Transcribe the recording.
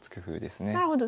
なるほど。